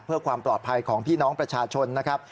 เพื่อความปลอดภัยของพี่น้องประชาชนนะครับ